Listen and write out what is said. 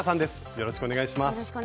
よろしくお願いします。